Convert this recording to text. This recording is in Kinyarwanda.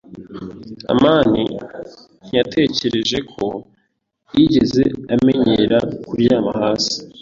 amani ntiyatekereje ko yigeze amenyera kuryama hasi.